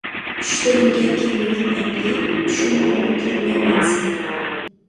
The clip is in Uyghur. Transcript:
چۈشلىرىمگە كىرمىگىن ئەمدى، چۈشۈمدىمۇ كۆرمەي مەن سىنى.